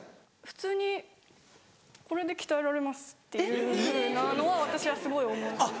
普通にこれで鍛えられますっていうふうなのは私はすごい思う。